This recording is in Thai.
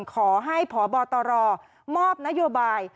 ขอให้พบตรมอบนโยบาย